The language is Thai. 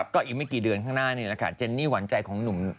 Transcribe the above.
ก็อีกไม่กี่เดือนข้างหน้านี้ล่ะค่ะ